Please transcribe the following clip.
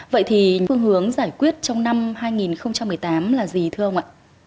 vậy thì phương hướng giải quyết trong năm hai nghìn một mươi tám là gì thưa ông ạ